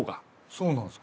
そうなんですか？